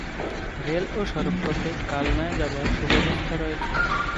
Rail ও সড়কপথে কালনায় যাবার সুব্যবস্থা আছে।